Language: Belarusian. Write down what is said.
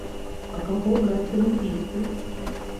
А каго браць з алімпійскай?